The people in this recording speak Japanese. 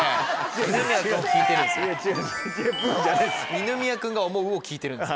二宮君が思うを聞いてるんです。